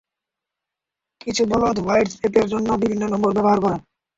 কিছু বলদ হোয়াটস্ অ্যাপের জন্য ভিন্ন নম্বর ব্যবহার করে।